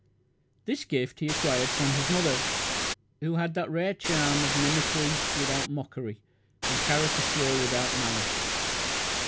This gift he acquired from his mother, who had that rare charm of mimicry without mockery, and caricature without malice.